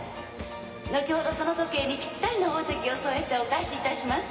後ほどその時計にピッタリの宝石を添えてお返しいたします。